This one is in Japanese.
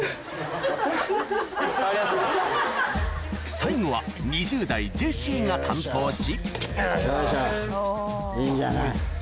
最後は２０代ジェシーが担当しいいじゃない。